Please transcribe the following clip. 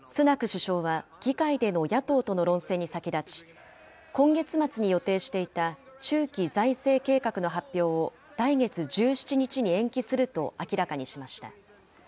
首相は、議会での野党との論戦に先立ち、今月末に予定していた中期財政計画の発表を来月１７日に延期すると明らかにしました。